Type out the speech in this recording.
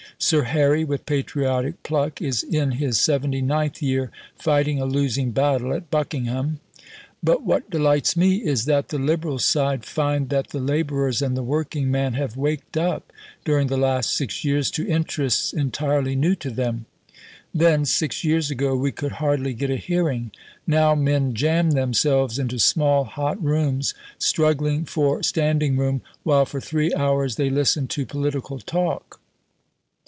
Sir Harry with patriotic pluck is in his 79th year fighting a losing battle at Buckingham. But what delights me is that the Liberal side find that the labourers and the working man have waked up during the last 6 years to interests entirely new to them. Then, 6 years ago, we could hardly get a hearing: now men jam themselves into small hot rooms, struggling for standing room while for 3 hours they listen to political talk.